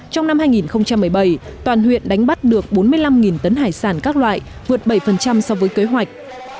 trong năm hai nghìn một mươi bảy toàn huyện đánh bắt được bốn mươi năm tấn hải sản các loại vượt bảy so với kế hoạch